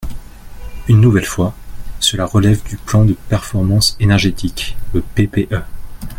Une nouvelle fois, cela relève du plan de performance énergétique, le PPE.